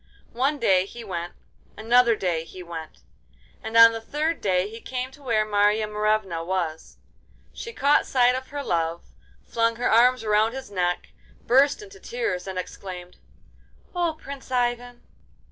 One day he went, another day he went, and on the third day he came to where Marya Morevna was. She caught sight of her love, flung her arms around his neck, burst into tears, and exclaimed: 'Oh, Prince Ivan!